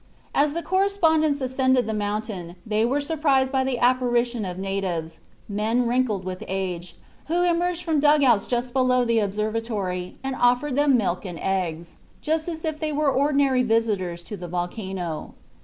As the correspondents ascended the mountain they were surprised by the apparition of natives, men wrinkled with age, who emerged from dugouts just below the observatory and offered them milk and eggs, just as if they were ordinary visitors to the volcano.